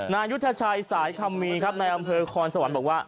นายุทธชัยสายคำมีครับในอำเภอคอนสวรรค์บอกว่า